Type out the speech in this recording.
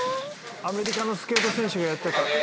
アメリカのスケート選手がやってた。